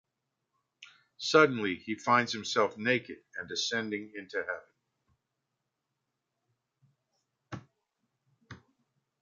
Suddenly, he finds himself naked and ascending into Heaven.